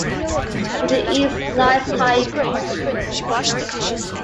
To the east lies High Beach.